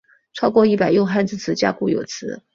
超过一百用汉字词加固有词。